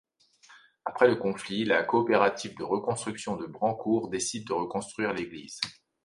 Après le conflit, la Coopérative de reconstruction de Brancourt décide de reconstruire l'église.